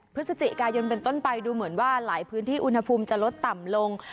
พฤศจิกายนเป็นต้นไปดูเหมือนว่าหลายพื้นที่อุณหภูมิจะลดต่ำลง